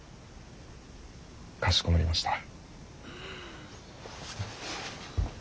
かしこまりました。